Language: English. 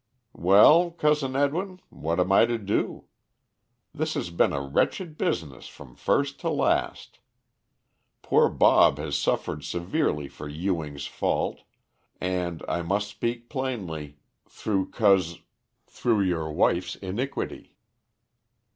"Well, Cousin Edwin, what am I to do? This has been a wretched business from first to last. Poor Bob has suffered severely for Ewing's fault, and I must speak plainly through Cous through your wife's iniquity.